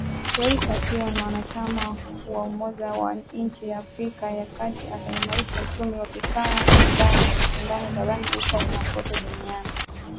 Rais akiwa mwanachama wa umoja wa inchi za Afrika ya kati ataimarisha uchumi wa kikanda na ushindani barani huko na kote duniani